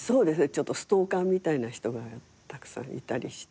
ちょっとストーカーみたいな人がたくさんいたりして。